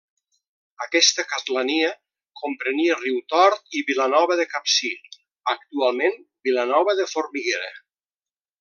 Aquesta castlania comprenia Riutort i Vilanova de Capcir, actualment Vilanova de Formiguera.